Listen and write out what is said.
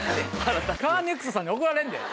カーネクストさんに怒られるで。